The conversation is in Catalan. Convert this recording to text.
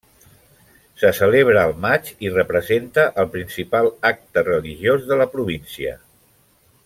Se celebra al maig i representa el principal acte religiós de la província.